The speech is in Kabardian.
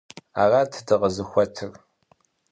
Арат дыкъызыхуэтыр…